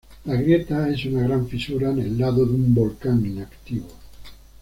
La Grieta es una gran fisura en el lado de un volcán inactivo.